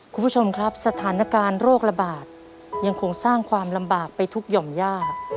คุณผู้ชมครับสถานการณ์โรคระบาดยังคงสร้างความลำบากไปทุกหย่อมย่า